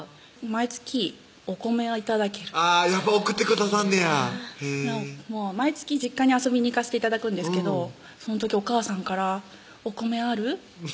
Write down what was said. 毎月お米が頂けるやっぱり送ってくださんねやもう毎月実家に遊びに行かせて頂くんですけどその時おかあさんから「お米ある？